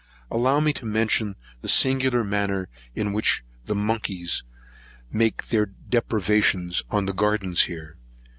Allow me to mention the singular manner in which the monkeys make depredations on the gardens here.